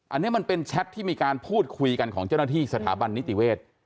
อันนี้มันเป็นแชทที่มีการพูดคุยกันของเจ้าหน้าที่สถาบันนิติเวศ